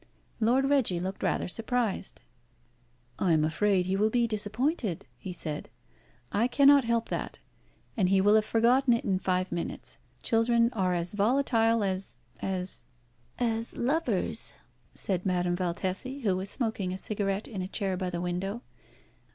Lord Reggie looked rather surprised. "I am afraid he will be disappointed," he said. "I cannot help that. And he will have forgotten it in five minutes. Children are as volatile as as " "As lovers," said Madame Valtesi, who was smoking a cigarette in a chair by the window.